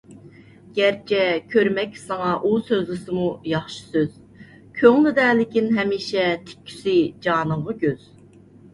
گەرچە كۆرمەككە ساڭا ئۇ سۆزلىسىمۇ ياخشى سۆز، كۆڭلىدە لېكىن ھەمىشە تىككۈسى جانىڭغا كۆز.